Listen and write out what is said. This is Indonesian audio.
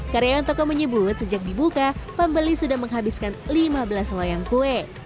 karyawan toko menyebut sejak dibuka pembeli sudah menghabiskan lima belas loyang kue